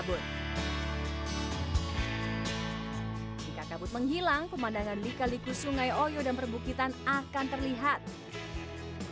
spot selfie gardu pandang jurang tembelan ini dibuat menjorok ke atas jurang